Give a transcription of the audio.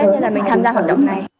nên là mình tham gia hoạt động này